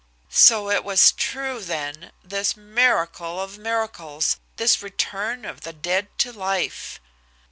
So it was true, then, this miracle of miracles, this return of the dead to life!